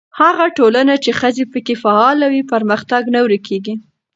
هغه ټولنه چې ښځې پکې فعاله وي، پرمختګ نه ورو کېږي.